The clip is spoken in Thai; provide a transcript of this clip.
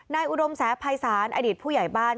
อุดมแสภัยศาลอดีตผู้ใหญ่บ้าน